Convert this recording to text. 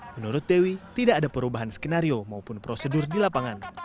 menurut dewi tidak ada perubahan skenario maupun prosedur di lapangan